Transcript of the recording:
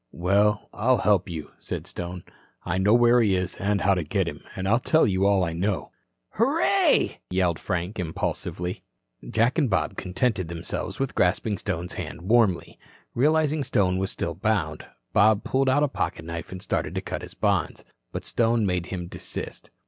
"Well, I'll help you," said Stone. "I know where he is and how to get him, an' I'll tell you all I know." "Hurray," yelled Frank, the impulsive. Jack and Bob contented themselves with grasping Stone's hand warmly. Realizing Stone still was bound, Bob pulled out a pocket knife and started to cut his bonds, but Stone made him desist.